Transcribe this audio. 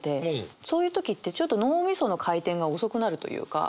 そういう時ってちょっと脳みその回転が遅くなるというか。